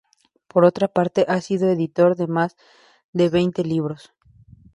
Por otra parte, ha sido editor de más de veinte libros.